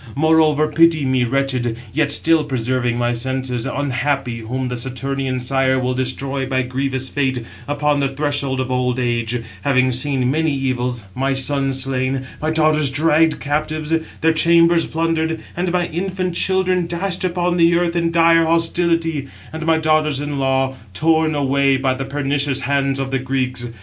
Moreover, pity me, wretched, yet still preserving my senses, 697 unhappy, whom the Saturnian sire will destroy by grievous fate, upon the threshold of old age, having seen many evils, 698 my sons slain, my daughters dragged captives, their chambers plundered, and my infant children dashed upon the earth in dire hostility, and my daughters in law torn away by the pernicious hands of the Greeks.